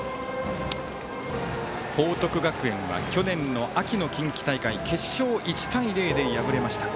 報徳学園は去年の秋の近畿大会、決勝１対０で敗れました。